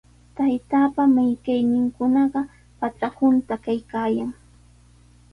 Taytaapa minkayninkunaqa patra hunta kaykaayan.